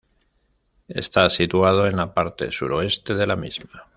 Está situado en la parte suroeste de la misma.